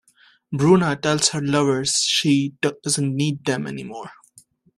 Bruna tells her lovers she doesn't need them anymore.